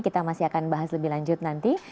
kita masih akan bahas lebih lanjut nanti